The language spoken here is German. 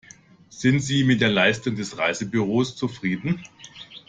Sind Sie mit der Leistung des Reisebüros zufrieden?